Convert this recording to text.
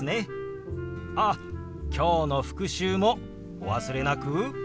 あっきょうの復習もお忘れなく。